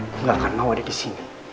aku gak akan mau ada disini